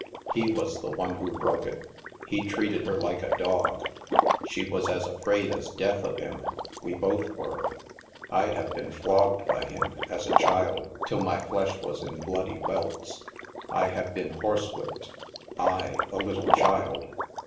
He was the one who broke it. He treated her like a dog. She was as afraid as death of him. We both were. I have been flogged by him, as a child, till my flesh was in bloody welts. I have been horse whipped, I, a little child.